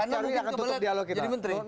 karena mungkin kebelet jadi menteri